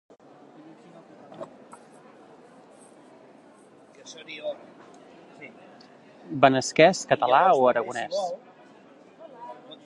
Benasquès, català o aragonès.